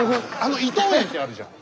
伊東園ってあるじゃん。